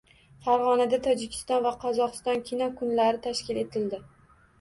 Farg‘onada Tojikiston va Qozog‘iston kino kunlari tashkil etildi